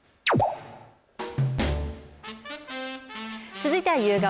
続いては夕顔。